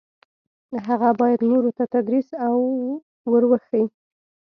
هغه باید نورو ته تدریس او ور وښيي.